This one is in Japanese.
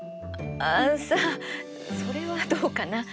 あさあそれはどうかな？